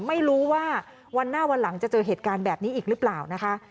ไม่รู้ว่าวันหน้าวันหลังจะเจอเหตุการณ์แบบนี้อีกหรือเปล่านะคะ